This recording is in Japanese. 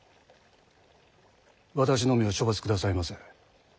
私のみを処罰くださいませ。